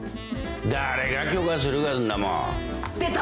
・誰が許可するかんなもん。出た！